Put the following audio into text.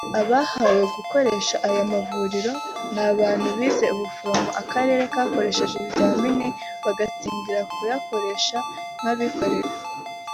Abahawe gukoresha aya mavuriro ni abantu bize ubuforomo akarere kakoresheje ibizamini bagatsindira kuyakoresha nk’abikorera